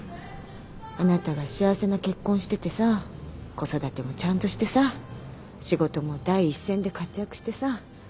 あなたが幸せな結婚しててさ子育てもちゃんとしてさ仕事も第一線で活躍してさ。